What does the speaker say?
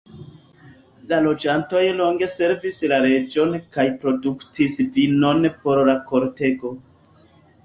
La loĝantoj longe servis la reĝon kaj produktis vinon por la kortego.